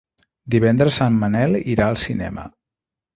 Divendres en Manel irà al cinema.